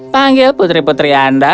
panggil putri putri anda